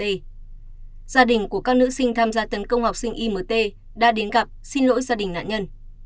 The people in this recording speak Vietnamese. gia đình của các nữ sinh tham gia tấn công học sinh imt đã đến gặp xin lỗi gia đình nạn nhân